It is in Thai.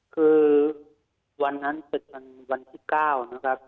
คือวันนั้นเป็นวันที่๙นะครับ